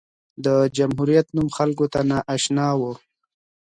د جمهوریت نوم خلکو ته نااشنا و.